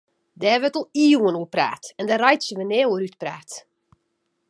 Dêr wurdt al iuwen oer praat en dêr reitsje we nea oer útpraat.